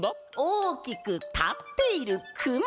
おおきくたっているくま！